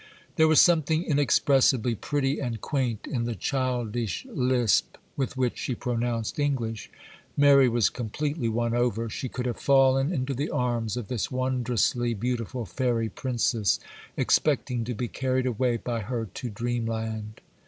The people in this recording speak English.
There was something inexpressibly pretty and quaint in the childish lisp with which she pronounced English. Mary was completely won over. She could have fallen into the arms of this wondrously beautiful fairy princess, expecting to be carried away by her to Dreamland.